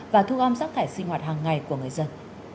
và thu gom rác thải sinh hoạt hàng ngày của người dân